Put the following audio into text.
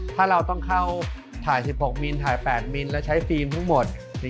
ถ้าเราต้องเข้าถ่าย๑๖มิลถ่าย๘มิลแล้วใช้ฟิล์มทั้งหมด